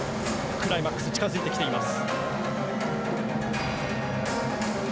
クライマックス、近づいてきています。